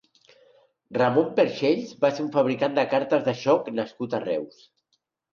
Ramon Perxells va ser un fabricant de cartes de joc nascut a Reus.